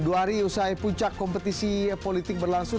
dua hari usai puncak kompetisi politik berlangsung